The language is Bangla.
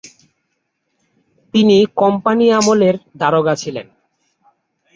তিনি কোম্পানি আমলের দারোগা ছিলেন।